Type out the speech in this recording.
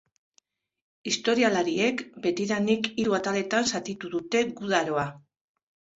Historialariek betidanik hiru ataletan zatitu dute guda aroa.